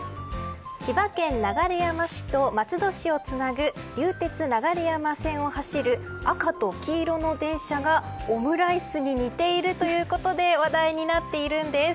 千葉県流山市と松戸市をつなぐ流鉄流山線を走る赤と黄色の電車がオムライスに似ているということで話題になっているんです。